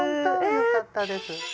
よかったです。